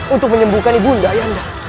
untuk menyembuhkan ibu anda ayah anda